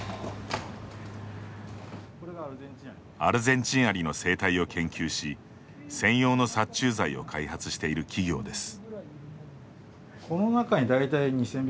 アルゼンチンアリの生態を研究し専用の殺虫剤を開発している企業です。